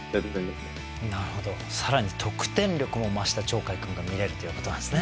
なるほど更に得点力も増した鳥海君が見れるということなんですね。